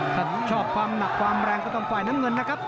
ก็ต้องปล่อยดังนะครับ